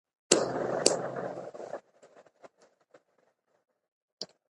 زموږ هیواد د اسیا په زړه کې یو ځانګړی تاریخي موقعیت لري.